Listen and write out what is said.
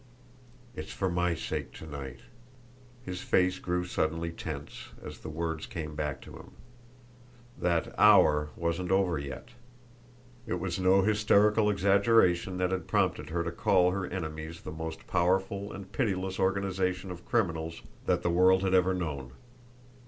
"It's for my sake to night!" His face grew suddenly tense, as the words came back to him. That "hour" wasn't over yet! It was no hysterical exaggeration that had prompted her to call her enemies the most powerful and pitiless organisation of criminals that the world had ever known.